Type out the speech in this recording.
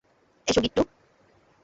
এসো, গিট্টু!